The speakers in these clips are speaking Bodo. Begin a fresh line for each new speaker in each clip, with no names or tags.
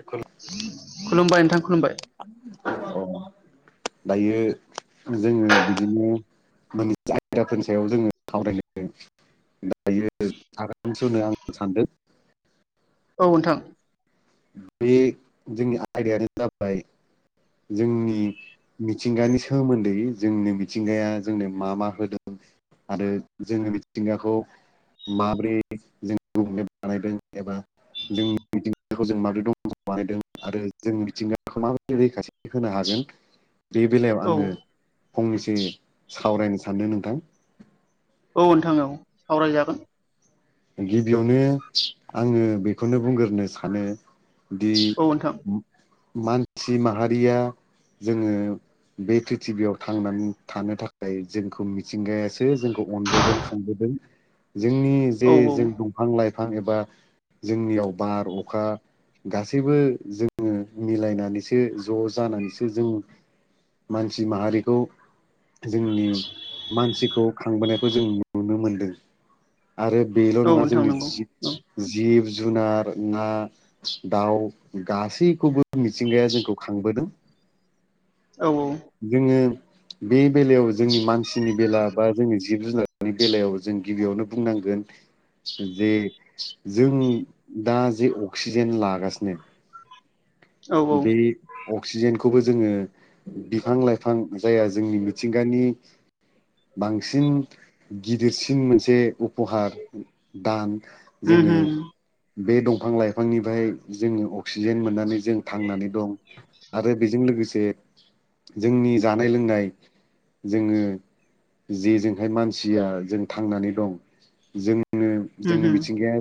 अ
खुलुमबाय नोंथां खुलुमबाय।
दायो जोङो बिदिनो [inaudible] आायदाफोरनि सायाव जोङो सावरायगोन [inaudible]
औ नोंथां।
बे जोंनि आयदायानो जाबाय जोंनि मिथिंगानि सोमोन्दै जोंनो मिथिंगाया जोंनो मा मा होदों आरो जोङो मिथिंगाखौ माब्रै जों [inaudible] [inaudible] जों मिथिंगाखौ माबोरै रैखाथि होनो हागोन। बे बेलायाव
औ
आङो फंनैसो सावरायनो सानदों नोंथां।
औ नोंथां औ सावरायजागोन।
गिबियावनो आङो बेखौनो बुंग्रोनो सानो दि
औ नोंथां
मानसि माहारिया जोङो बे प्रिथिबियाव थांनानै थानो थाखाय जोंखौ मिथिंगायासो अनबोदों खांबोदों जोंनि जे
औ औ
जों दंफां लाइफां लाइफां एबा जोंनियाव बार अखा गासैबो जोङो मिलायनानैसो ज' जानानैसो जों मानसि माहारिखौ जोंनि मानसिखौ खांबोनायखौ जों नुनो मोनदों। आरो बेल'
औ
नङा
नोंथां
जोंनि
नंगौ औ
जिब जुनार ना दाउ गासैखौबो मिथिंगाया जोंखौ खांबोदों।
औ
जोङो बे बेलायाव जोंनि मानसिनि बेला बा जोंनि जिब जुनार बेलायाव जों गिबियावनो बुंनांगोन जे जों दा जे अक्सिजेन लागासिनो
औ
बे अक्सिजेनखौबो जोङो बिफां लाइफां जाया जोंनि मिथिंगानि बांसिन गिदिरसिन मोनसे फहार दान
उम
जोङो
उम
बे दंफां लाइफांनिफ्राय जोङो अक्सिजेन मोननानै जों थांनानै दं। आरो बेजों लोगोसे जोंनि जानाय लोंनाय जोङो जेजोंहाय मानसिया जों थांनानै दं बेजों जोंनि
उम
मिथिंगाया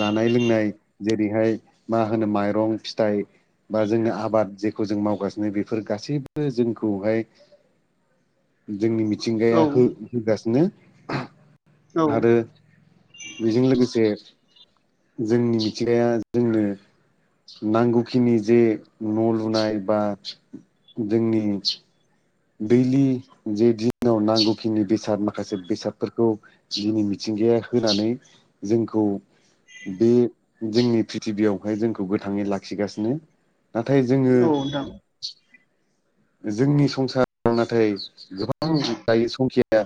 जानाय लोंनाय जेरैहाय मा होनो माइरं फिथाइ बा जोङो आबाद जेखौ जों मावगासिनो बेफोर गासैबो जोंखौहाय जोंनि मिथिंगाया
उम
हो-होगासिनो
औ
आरो बेजों लोगोसे जोंनि मिथिगाया जोंनो नांगौ खिनि जे न' लुनाय बा जोंनि दैलि [inaudible] नांगौखिनि बेसाद माखासे बेसादफोरखौ दिनै मिथिंगाया होनानै जोंखौ बे जोंनि प्रिथिबियावहाय जोंखौ गोथाङै लाखिगासिनो नाथाय जोङो
नोंथां
जोंनि संसाराव नाथाय गोबां जायो संखाया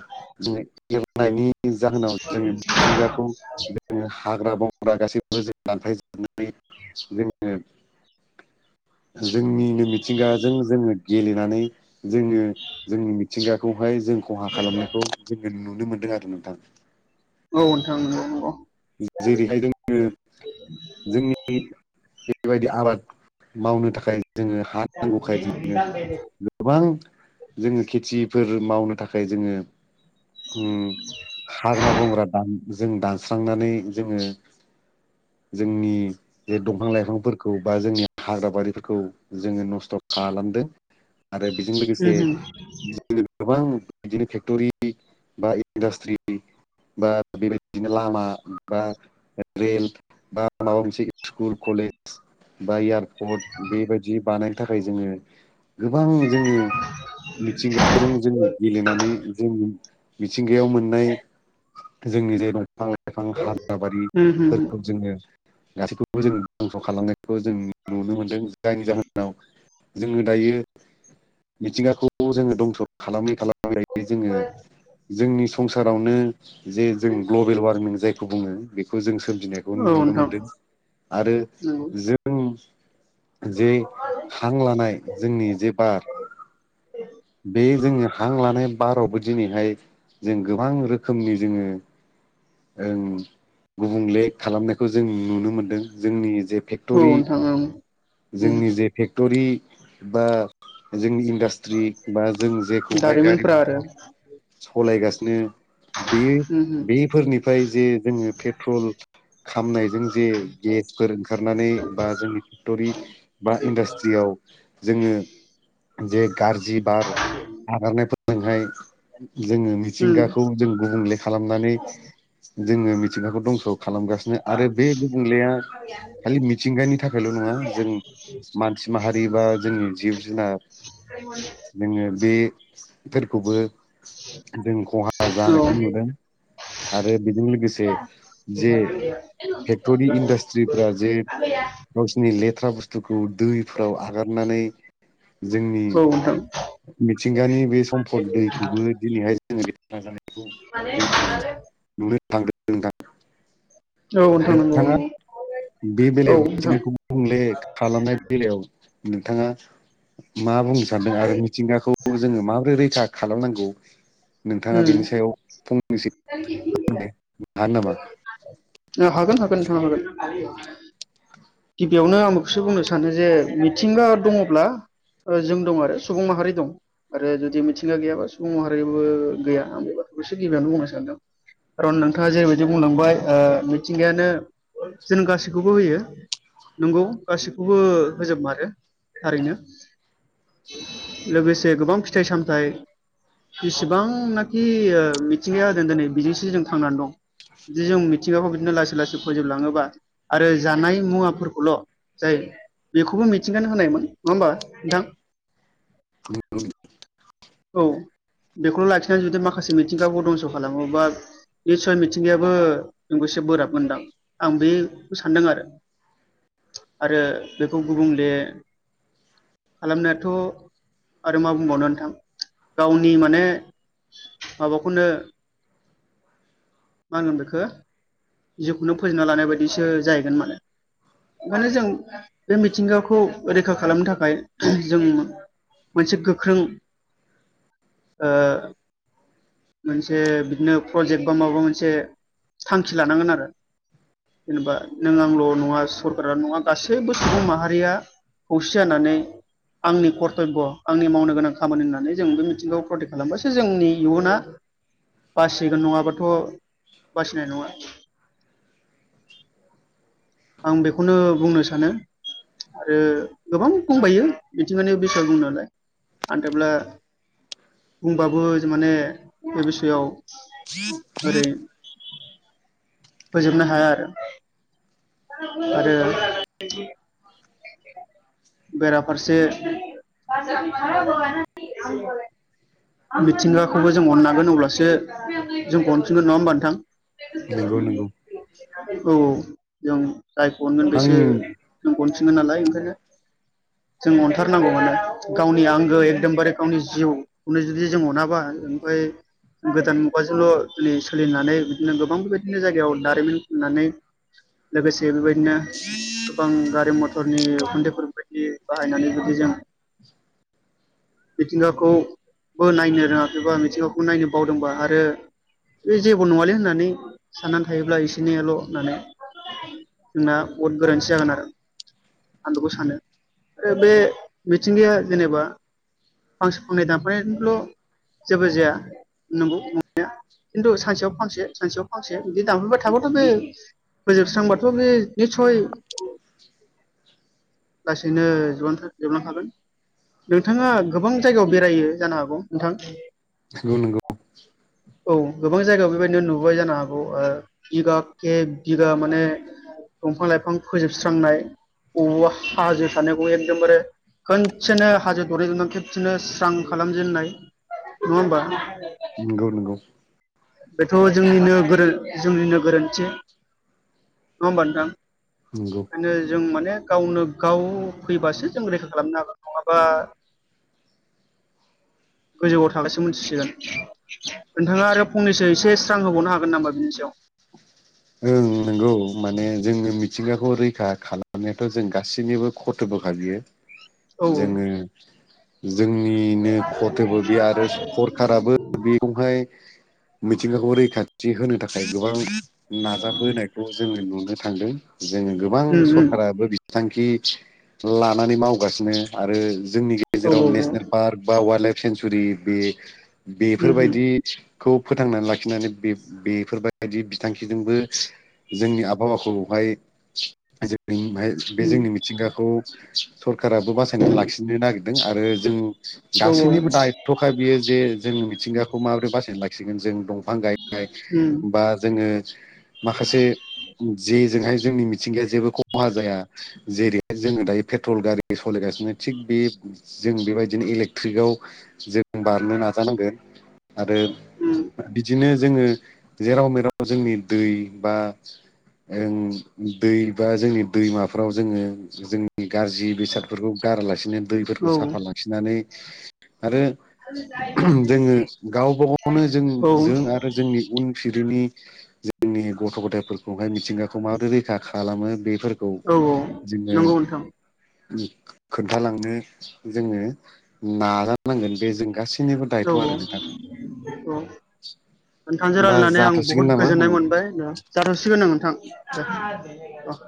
दिनै गेलांनायनि नि जाहोनाव जोङो मिथिंगाखौ जोङो हाग्रा बं बंग्रा गासैबो जों दानफायजोबनानै जोङो जोंनिनो मिथिंगाजों जोङो गेलेनानै जोङो जोंनि मिथिंगाखौ बेहाय जों खहा खालामनायखौ जोङो नुनो मोनदों आरो नोंथां
अ नोंथां नंगौ नंगौ
जेरैहाय जोङो जोंनि बेबायदि आबाद मावनो थाखाय जोङो हा नांगौखाय जोनो गोबां जोङो खेथि फोर मावनो थाखाय जोङो ओम हाग्रा बंग्रा दानना जों दानस्रांनानै जोङो जोंनि जे दंफां लाइफांफोरखौ बा जोंनि हाग्रा बारिफोरखौ जोङो नस्थ' खालाम दो आरो बेजों लोगोसे
उम
गोबां बिदिनो फेक्ट'रि बा इन्डास्ट्रि बा बेबायदिनो लामा बा रेल बा माबा मोनसे स्कुल कलेज बा एयारपर्ट बेबायदि बानायनो थाखाय जोङो गोबां जोङो मिथिंगाजों जों गेलेनानै जोंनि मिथिंगायाव मोननाय जोंनि जाय दफां लाइफां
उम उम
हाग्राबारिफोर‌
होम
खौ जोङो गासैखौबो जों दंस' खालामनायखौ जों नुनो मोनदों जायनि जाहोनाव जोङो दायो मिथिंगाखौ जोङो दंस' खालामै खालामै जोङो जोंनि संसारावनो जे जों ग्लबेल वारमिं जायखौ बुङो बेखौ जों सोमजिनायखौ
औ
नुनो
नोंथां नंगौ
मोनदों आरो जों जे हां लानाय जोंनि जे बार बे जोंनि हां लानाय बारावबो दिनैहाय जों गोबां रोखोमनि जोङो ओं गुबुंले खालामनायखौ जों नुनो मोनदों जोंनि जे
औ
फेक्टरि
नोंथां ओम
जोंनि जे फेक्टरि बा जोंनि दास्ट्रि बा जों जेखौहाय गारि
दारिमिनफोरा आरो
मथर सलायगासिनो बे
उम होम
बेफोरनिफ्राय जे जोङो पेट्रल खामनायजों जे गेसफोर ओंखारनानै बा जोंनि टरि बा इन्डास्ट्रियाव जोङो जे गाज्रि बार आगारनायफोरजोंहाय जोङो
उम
मिथिंगाखौ जों गुबुंले खालामनानै जोङो मिथिंगाखौ दंस' खालामगासिनो आरो बे गुबुंलेया खाले‌ मिथिंगानि थाखायल' नङा जों मानसि माहारि बा जोंनि जिब जुनार जोङो बे फोरखौबो जों खहा
औ
जानायखौ नुदों आरो बेजों लोगोसे जे फेक्ट'रि इन्डास्ट्रिफोरा जे गावसिनि ले थ्रा बुस्थुखौ दैफ्राव आगारनानै जोंनि
औ नोंथां
मिथिंगानि बे सम्पद दैखौबो दिनैहाय जोङो लेथ्रा जानायखौ जों नुनो थांदों
औ
[unintelligible]
नोंथां नंगौ
नोंथाङा
नंगौ
बे
औ
बेलायाव
नोंथां
मिथिंगाखौ गुबुंले खालामनाय बेलायाव नोंथाङा मा बुंनो सानदों आरो मिथिंगाखौ जोङो माबोरै रैखा खालामनांगौ नोंथाङा
उम
बेनि सायाव फंनैसो [unintelligible]
ओ हागोन हागोन नोंथांआ हागोन गिबियावनो आं बेखौसो बुंनो सानो जे मिथिंगा दङब्ला ओ जों दं आरो सुबुं माहारि दं। आरो जुदि मिथिंगा गैयाबा सुबुं माहारिबो गैया आं बे बाथ्राखौसो गिबियावनो बुंनो सानदों खारन नोंथाङा जेरैबायदि बुंलांबाय ओ मिथिंगायानो जोंनो गासैखौबो होयो नंगौ गासिखौबो होजोब मारो थारैनो लोगोसे गोबां फिथाइ सामथाइ जसेबांनाखि ओ मिथिंगायादों दोनै बिजोंसो जों थांनानै दं जुदि जों मिथिंगाखौ बिदिनो लासै लासै फोजोबलाङोबा आरो जानाय मुवा फोरखौल' जाय बेखौबो मिथिंगानो होनायमोन नङा होमबा नोंथां
[inaudible]
औ बेखौल' लाखिनानै जुदि माखासे मिथिंगाखौ धंस' खालामोबा निसय मिथिंगायाबो जोंखौ एसे बोराब गोनदां आं बेखौ सानदों आरो आरो बेखौ गुबुंले खालामनायाथ' आरो मा बुंबावनो नोंथां गावनि माने माबाखौनो मागोन बेखो जिउखौनो फोजोबना लानाय बायदिसो जाहैगोन माने ओंखायनो जों बे मिथिंगाखौ रैखा खालामनो थाखाय जों मोनसे गोख्रों ओ मोनसे बिदिनो प्रजेक्ट बा माबा मोनसे थांखि लानांगोन आरो जेनेबा नों आंल' नङा सरकारा नङा गासैबो सुबुं माहारिया खौसे जानानै आंनि करतब्य आंनि मावनो गोनां खामानि होननानै जों बे मिथिंखौ प्रटेक्ट खालामबासो जोंनि इयुना बासिगोन नङाबाथ' बासिनाय नङा
[inaudible]
आं बेखौनो बुंनो सानो आरो गोबां फंबायो मिथिंगानि बिसाद बुंनो हानाय आन्देब्ला बुंबाबो जे माने बे बैसोआव
[inaudible]
फोजोबनो हाया आरो आरो बेराफारसे [unintelligible] मिथिंगाखौबो जों अननागोन अब्लासो जोंखौ अनफिनगोन नवा होमबा नोंथां
नंगौ नंगौ
औ जों जायखौ अनगोन
आं
बेसो जोंखौ अनफिनगोन नालाय ओंखायनो जों अनथारनांगौ मोनो गावनि आंगो एकदोमबारे गावनि जिउखौनो जुदि जों अनाबा ओमफाय गोदान मुगाजोंल' दिनै सोलिनानै बिदिनो गोबां बेबायदिनो जायगायाव दारिमिन खुलिनानै लोगोसे बेबायदिनो गोबां गारि मथ रनि उखोन्दैफोरबायायदि बाहायनानै बिदि जों
[inaudible]
मिथिंगाखौबो नायनो रोङाखैबा मिथिंगाखौ नायनो बावदोंबा आरो बे जेबो नङाालै होननानै साननानै थायोब्ला एसोनियाल' होननानै जोंना बहुद गोरोन्थि जागोन आरो आं बेखौ सानो ओ बे मिथिंगाया जेनेबा फांसे फांनै दानफायनायजोंल' जेबो जाया नंगौ नंनाया खिन्थु सानसेयाव फांसे सानसेयाव फांसे बिदि दानफैबाय थाबाथ' बे फोजोबस्रांबाथ' बे नि सय
[inaudible]
लासैनो [unintelligible] जोबलांखागोन नोंथाङा गोबां जायगाव बेरायो जानो हागौ नोंथां
नंगौ नंगौ
औ गोबां जायगायाव बेबायदिनो नुबाय जानो हागौ बिगा केे बिगा माने दंफां लाइफां फोजोबस्रांनाय बबावबा हाजो थानायखौबो एगदाम बारो खनसेनो हाजो दरनै दरथाम खेबसेनो स्रां खालामजेननाय नङा होमबा?
नंगौ नंगौ।
बेथ' जोंनिनो गोर जोंनिनो गोरोन्थि नङा होमबा नोंथां?
नंगौ।
ओंखायनो जों माने गावनो गाव फैबासो जों रैखा खालामनो हागोन नङाबा
[inaudible]
गोजौआव थाबासो मिथिसिगोन नोंथाङा आरो फंनैसो एसे स्रां होबावनो हागोन नामा बिनि सायाव
ओं नंगौ। माने जोङो मिथिंगाखौ रैखा खालामनायाथ' जों गासैनिबो खरथ'बोखा बियो
औ
जोङो जोंनिनो खथोबो बे आरो सरखाराबो बेयावहाय मिथिंगाखौ रैखाथि होनो थाखाय गोबां नाजाबोनायखौ जोङो नुनो थांदों। जोङो गोबां
उम उम
सरखाराबो बिथांखि लानानै मावगासिनो आरो जोंनि
औ
गेजेराव
औ
नेसनेल पार्क बा वाइल्ड लाइफ सेेंसुरि बे
उम उम
बेफोरबायदि खौ फोथांनानै लाखिनानै बे बेफोरबायदि बिथांखिजोंबो जोंनि आबहावाखौहाय जों बेनिफ्राय
उम,
जोंनि मिथिंगाखौ सरखाराबो बासायनानै लाखिनो नागिरदों आरो जों
औ
गासैनिबो दायथ'खााय बियो जे जों सिंगाखौ माबोरै बासायना लाखियो जों दंफां गायनाय
उम,
बा माखासे जे जोंहाय जोंनि मिथिंगाया जेबो खहा जाया जेरैहाय जोङो दायो पेट्रल गारि सालायगासिनो थिग बे जों बेबायदिनो इलेक्ट्रिकआव जों बारनो नाजानांगोन आरो
उम,
बिदिनो जोङो जेराव मेराव जोंनि दै बा ओं दै बा जोंनि दैमाफोराव जोङो जों गाज्रि बेसादफोरखौ गारालासिनो दैफोरखौ
औ
साफा लाखिनानै आरो जोङो गावबा गावनो जों
औ
जों आरो जोंनि उन फिरिनि जोंनि गथ' गथायफोरखौहाय मिथिंगाखौ माबोरै रैखा खालामो बे फोरखौ
औ
जोङो
नंगौ नोंथां
खोन्थालांनो जोङो नाजानांगोन बे जों गासै
औ औ औ नोंथांजों
होमबा
रायलायनानै आं बुहुद
जाथ'सिगोन नामा?
गोजोननाय मोनबाय जाथ'सिगोन नो नोंथां दे अ